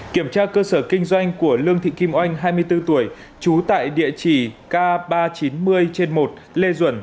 kiểm tra cơ sở kinh doanh của lương thị kim oanh hai mươi bốn tuổi trú tại địa chỉ k ba trăm chín mươi trên một lê duẩn